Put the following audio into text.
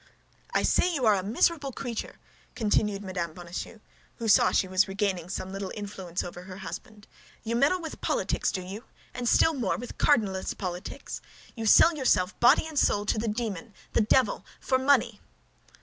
"I say you are a miserable creature!" continued Mme. Bonacieux, who saw she was regaining some little influence over her husband. "You meddle with politics, do you—and still more, with cardinalist politics? Why, you sell yourself, body and soul, to the demon, the devil, for money!"